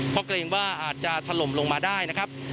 เพราะเกรงว่าอาจจะถล่มลงมาได้นะครับ